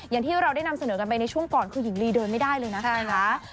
อย่างที่เราได้นำเสนอกันไปในช่วงก่อนคือหญิงลีเดินไม่ได้เลยนะคะ